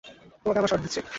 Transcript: তোমাকে আমার শার্ট দিচ্ছি।